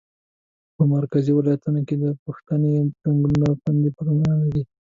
په مرکزي ولایتونو کې د پوستې ځنګلونه پیخي پرېمانه دي